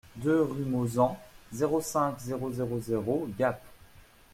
deux rue Mauzan, zéro cinq, zéro zéro zéro Gap